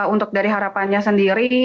untuk dari harapannya sendiri